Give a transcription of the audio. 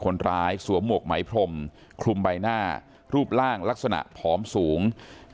สวมหมวกไหมพรมคลุมใบหน้ารูปร่างลักษณะผอมสูง